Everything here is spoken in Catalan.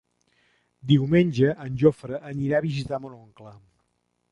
Diumenge en Jofre anirà a visitar mon oncle.